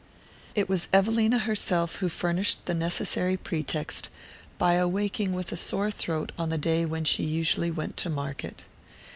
It was Evelina herself, who furnished the necessary pretext by awaking with a sore throat on the day when she usually went to market.